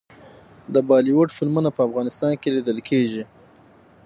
د بالیووډ فلمونه په افغانستان کې لیدل کیږي.